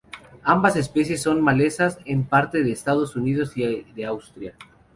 Ambas especies son malezas en partes de Estados Unidos y de Australia.